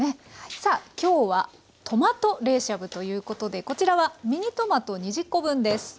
さあ今日はトマト冷しゃぶということでこちらはミニトマト２０コ分です。